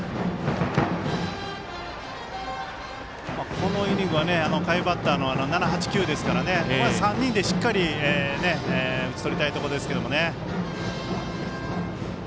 このイニングは下位バッターの７、８、９ですから３人で、しっかり打ち取りたいところです。